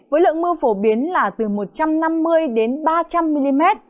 với lượng mưa phổ biến là từ một trăm năm mươi đến ba trăm linh mm